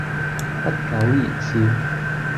不苟言笑